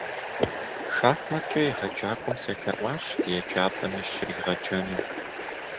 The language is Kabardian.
Шахматкӏэ егъэджакӏуэм селъэӏуащ ди еджапӏэми щригъэджэну.